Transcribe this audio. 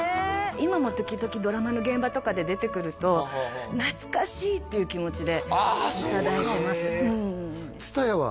今も時々ドラマの現場とかで出てくると懐かしい！っていう気持ちであそうかうん津多屋は？